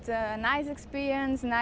dan lihat apa yang ada